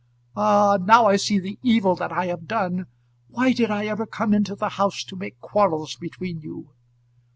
"Ah; now I see the evil that I have done. Why did I ever come into the house to make quarrels between you?"